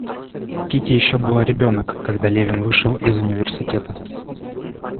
Кити еще была ребенок, когда Левин вышел из университета.